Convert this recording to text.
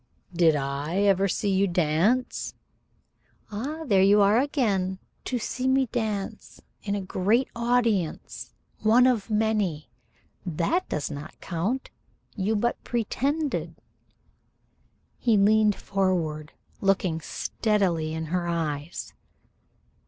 "Did I never see you dance?" "Ah, there you are again! To see me dance in a great audience one of many? That does not count. You but pretended." He leaned forward, looking steadily in her eyes.